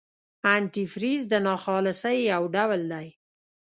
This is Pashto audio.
انتي فریز د ناخالصۍ یو ډول دی.